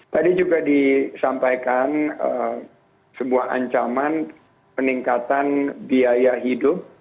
tadi juga disampaikan sebuah ancaman peningkatan biaya hidup